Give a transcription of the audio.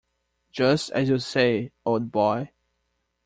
Just as you say, old boy.